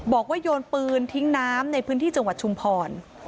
โยนปืนทิ้งน้ำในพื้นที่จังหวัดชุมพร